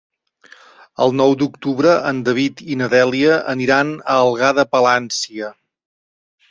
El nou d'octubre en David i na Dèlia aniran a Algar de Palància.